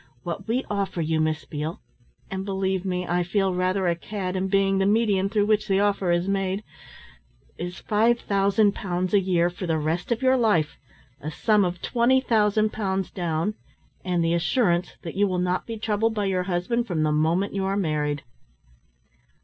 What we offer you, Miss Beale, and believe me I feel rather a cad in being the medium through which the offer is made, is five thousand pounds a year for the rest of your life, a sum of twenty thousand pounds down, and the assurance that you will not be troubled by your husband from the moment you are married."